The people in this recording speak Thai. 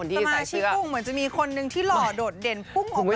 สมาชิกกุ้งเหมือนจะมีคนนึงที่หล่อโดดเด่นพุ่งออกมา